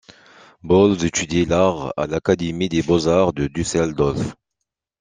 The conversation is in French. Bolz étudie l'art à l'Académie des beaux-arts de Düsseldorf.